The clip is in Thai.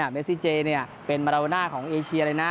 เมสซีเจเป็นมาลาวน่าของเอเชียนะ